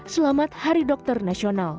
selamat hari dokter nasional